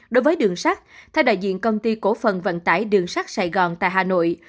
đối với đường sắt theo đại diện công ty cổ phần vận tải đường sắt sài gòn tại hà nội